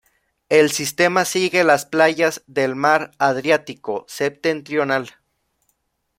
El sistema sigue las playas del mar Adriático septentrional.